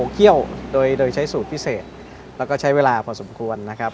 เคี่ยวโดยใช้สูตรพิเศษแล้วก็ใช้เวลาพอสมควรนะครับ